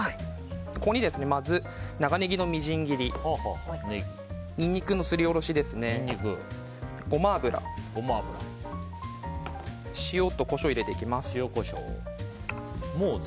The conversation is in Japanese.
ここにまず長ネギのみじん切りニンニクのすりおろしゴマ油、塩とコショウを入れていきます。